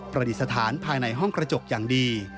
ดิษฐานภายในห้องกระจกอย่างดี